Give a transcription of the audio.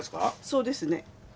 そうですね。